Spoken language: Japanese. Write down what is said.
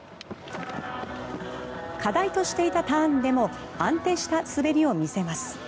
課題としていたターンでも安定した滑りを見せます。